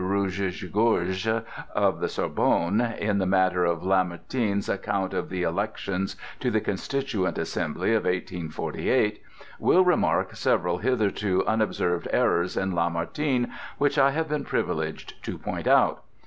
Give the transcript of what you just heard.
Rougegorge—of the Sorbonne—in the matter of Lamartine's account of the elections to the Constituent Assembly of 1848, will remark several hitherto unobserved errors in Lamartine which I have been privileged to point out.